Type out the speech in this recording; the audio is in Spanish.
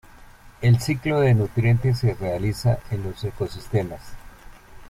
El ciclo de nutrientes se realiza en los ecosistemas.